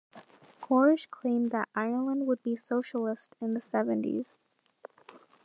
Corish claimed that Ireland would be 'Socialist in the Seventies'.